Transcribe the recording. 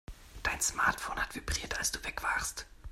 Dein Smartphone hat vibriert, als du weg warst.